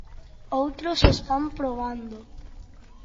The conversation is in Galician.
Outros están probando.